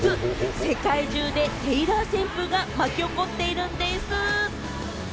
世界中でテイラー旋風が巻き起こっているんでぃす。